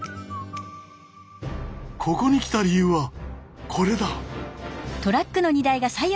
ここに来た理由はこれだ。